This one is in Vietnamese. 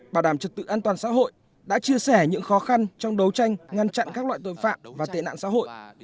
bảo đảm trật tự an toàn xã hội đã chia sẻ những khó khăn trong đấu tranh ngăn chặn các loại tội phạm và tệ nạn xã hội